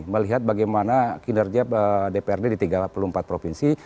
melihat bagaimana kinerja dprd di tiga puluh empat provinsi